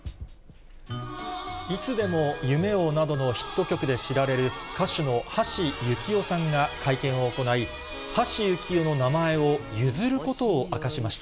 いつでも夢をなどのヒット曲で知られる、歌手の橋幸夫さんが会見を行い、橋幸夫の名前を譲ることを明かしました。